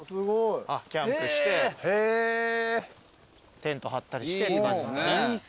キャンプしてテント張ったりしてって感じですかね。